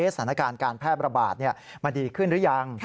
สถานการณ์การแพร่ประบาดมันดีขึ้นหรือยัง